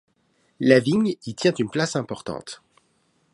La vigne y tient une place importante.